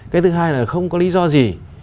cái thứ hai là không có lý do gì